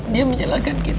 dia menyalahkan kita karena